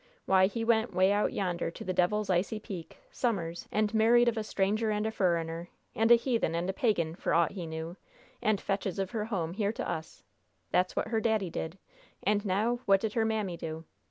Why, he went 'way out yonder to the Devil's Icy Peak, summers, and married of a stranger and a furriner, and a heathen and a pagan, for aught he knew! and fetches of her home here to us! That's what her daddy did! And now, what did her mammy do?